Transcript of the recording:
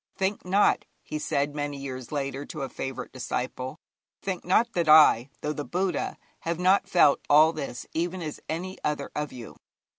'Think not,' he said many years later to a favourite disciple 'think not that I, though the Buddha, have not felt all this even as any other of you.